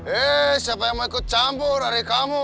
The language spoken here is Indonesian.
eh siapa yang mau ikut campur dari kamu